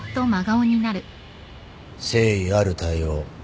誠意ある対応